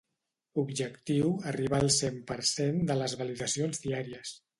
Objectiu arribar al cent per cent de les validacions diàries